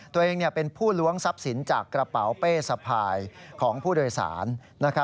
ตัวเองเป็นผู้ล้วงทรัพย์สินจากกระเป๋าเป้สะพายของผู้โดยสาร